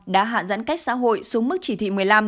đã hạn giãn cách xã hội xuống mức chỉ thị một mươi năm